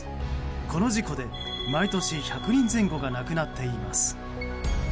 この事故で毎年１００人前後が亡くなっています。